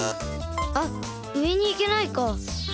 あっうえに行けないか。